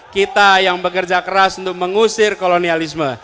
kita yang bekerja keras untuk mengusir kolonialisme